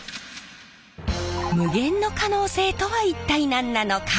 無限の可能性とは一体何なのか。